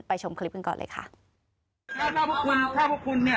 ไปชมคลิปกันก่อนเลยค่ะถ้าพวกคุณถ้าพวกคุณเนี่ย